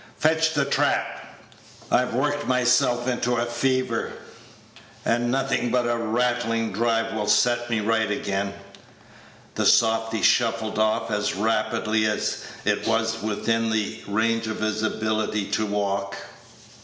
Fetch the trap. I've worked myself into a fever, and nothing but a rattling drive will set me right again." The softy shuffled off as rapidly as it was within the range of his ability to walk.